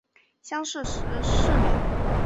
乡试十四名。